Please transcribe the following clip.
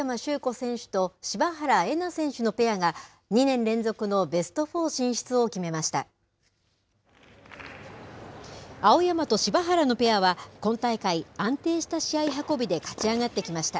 選手と柴原瑛菜選手のペアが、２年連続のベストフォー進出を決めました。